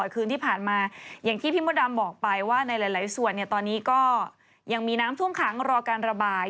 คืนที่ผ่านมาอย่างที่พี่มดดำบอกไปว่าในหลายส่วนตอนนี้ก็ยังมีน้ำท่วมขังรอการระบาย